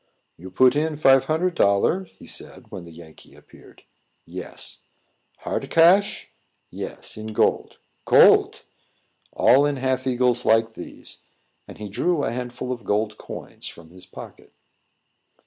"You put in fife hunnard dollar?" he said, when the Yankee appeared. "Yes." "Hard cash?" "Yes, in gold." "Gold!" "All in half eagles like these." And he drew a handful of gold coins from his pocket.